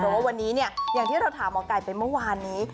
เพราะว่าวันนี้เนี่ยอย่างที่เราถามหมอไก่ไปเมื่อวานนี้